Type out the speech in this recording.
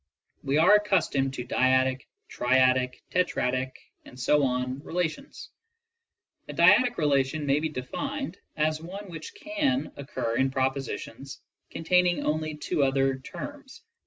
We are accustomed to dyadic, triadic, tetradic ... relations. A dyadic re lation may be defined as one which can occur in propositions contain ing only two other terms, i.